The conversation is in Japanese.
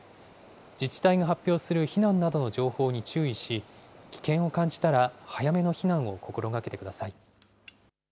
自治体が発表する避難などの情報に注意し、危険を感じたら早めの避難を心がけてください。